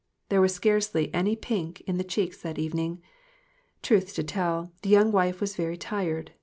There was scarcely any pink on the cheeks this evening. Truth to tell, the young wife was very tired.